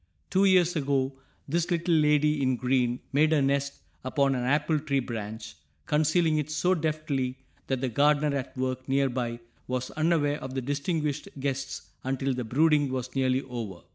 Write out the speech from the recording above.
Two years ago this "little lady in green" made her nest upon an apple tree branch, concealing it so deftly that the gardener at work near by was unaware of the distinguished guests until the brooding was nearly over.